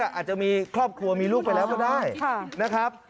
อาจจะมีครอบครัวมีลูกไปแล้วก็ได้นะครับ